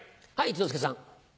一之輔さん。